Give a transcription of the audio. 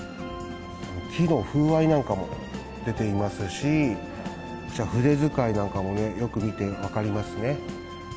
木の風合いなんかも出ていますし、こっちは筆遣いなんかもよく見て分かりますね。